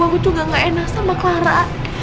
aku juga gak enak sama clara